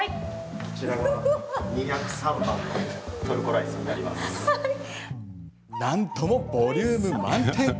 こちらがなんともボリューム満点。